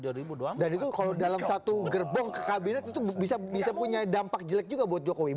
dan itu kalau dalam satu gerbong ke kabinet itu bisa punya dampak jelek juga buat jokowi